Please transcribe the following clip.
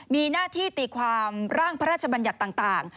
มีหน้าที่ตีความร่างพระราชบัญญัติต่าง